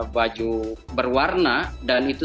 baju berwarna dan itu